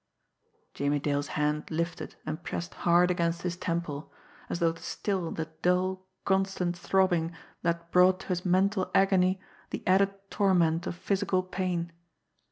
Jimmie Dale's hand lifted and pressed hard against his temple, as though to still the dull, constant throbbing that brought to his mental agony the added torment of physical pain.